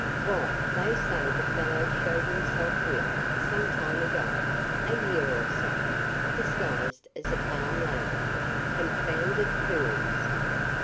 "Why, they say the fellow showed himself here some time ago, a year or so, disguised as a farm laborer confounded fools!